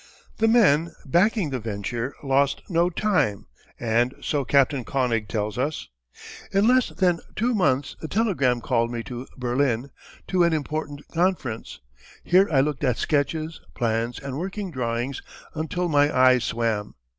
The men, backing the venture, lost no time and, so Captain König tells us, in less than two months a telegram called me to Berlin to an important conference. Here I looked at sketches, plans, and working drawings until my eyes swam.